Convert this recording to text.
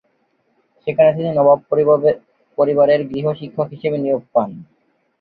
সেখানে তিনি নবাব পরিবারের গৃহ-শিক্ষক হিসেবে নিয়োগ পান।